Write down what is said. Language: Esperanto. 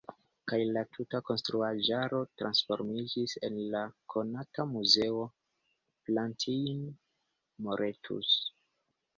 Kaj la tuta konstruaĵaro transformiĝis en la konata Muzeo Plantijn-Moretus.